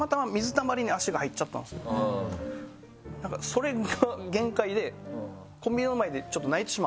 それが限界で。